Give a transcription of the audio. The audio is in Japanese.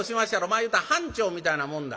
まあいうたら班長みたいなもんだ。